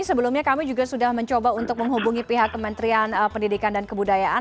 sebelumnya kami juga sudah mencoba untuk menghubungi pihak kementerian pendidikan dan kebudayaan